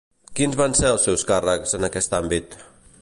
Quins van ser els seus càrrecs en aquest àmbit?